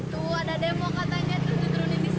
tuh ada demo katanya terus diturunin di sini